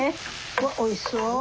うわっおいしそう！